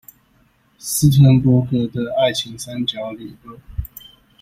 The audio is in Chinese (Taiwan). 斯騰伯格的愛情三角理論